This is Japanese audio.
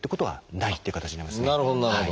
なるほどなるほど。